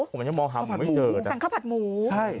ผมยังมองหาหมูไม่เจอนะสั่งข้าวผัดหมูใช่